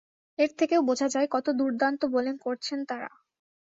এর থেকেও বোঝা যায়, কত দুর্দান্ত বোলিং করছেন তাঁরা।